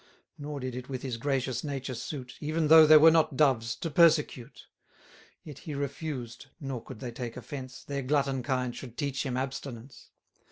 Nor did it with his gracious nature suit, Even though they were not Doves, to persecute: 980 Yet he refused (nor could they take offence) Their glutton kind should teach him abstinence.